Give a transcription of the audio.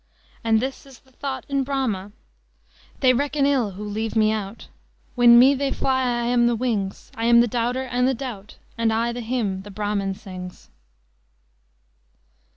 And this is the thought in Brahma: "They reckon ill who leave me out; When me they fly I am the wings: I am the doubter and the doubt, And I the hymn the Brahmin sings."